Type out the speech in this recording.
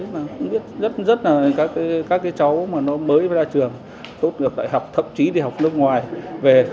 nhưng mà cũng biết rất là các cái cháu mà nó mới ra trường tốt nghiệp đại học thậm chí thì học lớp ngoài về